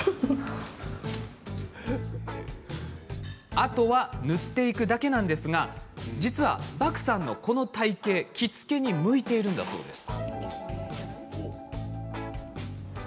あとは塗っていくだけなんですが実は、バクさんのこの体形着付けに向いているんだそうです。